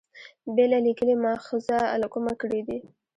بېله لیکلي مأخذه له کومه کړي دي.